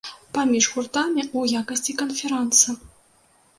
Паміж гуртамі ў якасці канферанса.